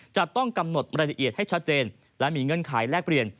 จะต้องกำหนดรายละเอียดให้ชัดเจนและมีเงื่อนไขแลกเปลี่ยน